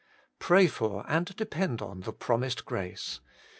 Pray for and depend on the promised grace.